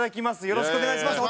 よろしくお願いします。